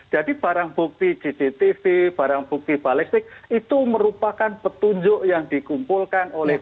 jadi barang bukti cctv barang bukti balistik itu merupakan petunjuk yang dikumpulkan oleh